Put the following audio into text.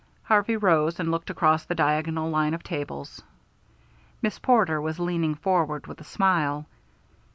Harvey rose, and looked across the diagonal line of tables. Miss Porter was leaning forward with a smile.